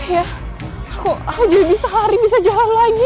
ya aku aja bisa hari bisa jalan lagi